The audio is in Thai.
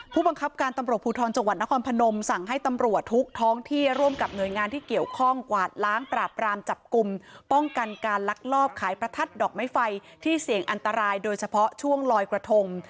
ผู้บังคับการตำรวจภูทรจังหวัดนครพนมสั่งให้ตำรวจทุกท้องที่ร่วมกับหน่วยงานที่เกี่ยวข้องกวาดล้างปราบรามจับกลุ่มป้องกันการลักลอบขายประทัดดอกไม้ไฟที่เสี่ยงอันตรายโดยเฉพาะช่วงลอยกระทง